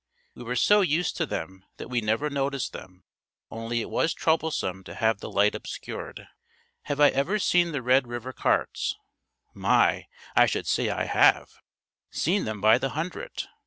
We were so used to them that we never noticed them, only it was troublesome to have the light obscured. Have I ever seen the Red River carts? My! I should say I have! Seen them by the hundred.